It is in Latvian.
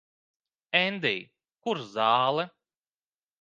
Endij, kur zāle?